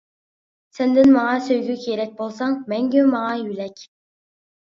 سەندىن ماڭا سۆيگۈ كېرەك، بولساڭ مەڭگۈ ماڭا يۆلەك.